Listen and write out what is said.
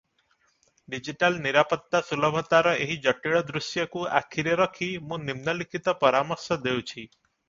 Digital ନିରାପତ୍ତା ସୁଲଭତାର ଏହି ଜଟିଳ ଦୃଶ୍ୟକୁ ଆଖିରେ ରଖି ମୁଁ ନିମ୍ନଲିଖିତ ପରାମର୍ଶ ଦେଉଛି ।